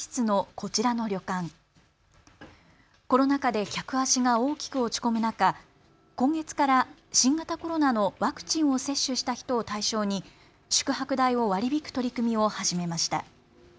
コロナ禍で客足が大きく落ち込む中、今月から新型コロナのワクチンを接種した人を対象に宿泊代を割り引く取り組みを始めました。